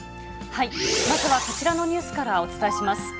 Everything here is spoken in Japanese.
まずはこちらのニュースからお伝えします。